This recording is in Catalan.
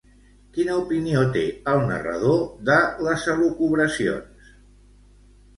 Quina opinió té el narrador de les elucubracions?